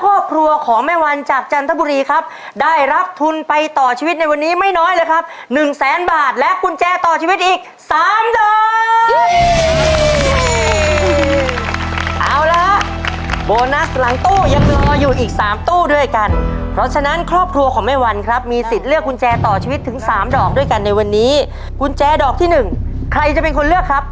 ครอบครัวของแม่วันจากจันทบุรีครับได้รับทุนไปต่อชีวิตในวันนี้ไม่น้อยเลยครับหนึ่งแสนบาทและกุญแจต่อชีวิตอีกสามดอกโบนัสหลังตู้ยังรออยู่อีกสามตู้ด้วยกันเพราะฉะนั้นครอบครัวของแม่วันครับมีสิทธิ์เลือกกุญแจต่อชีวิตถึงสามดอกด้วยกันในวันนี้กุญแจดอกที่หนึ่งใครจะเป็นคนเลือกครับ